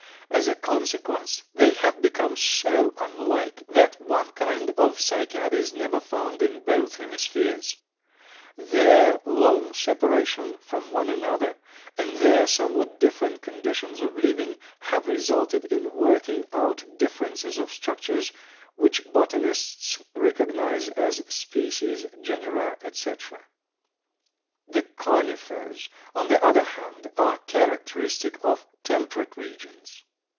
As a consequence they have become so unlike that one kind of Cycad is never found in both hemispheres. Their long separation from one another, and their somewhat different conditions of living, have resulted in working out differences of structures which botanists recognize as species, genera, etc. The Conifers, on the other hand, are characteristic of temperate regions.